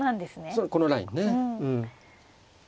そうこのラインね。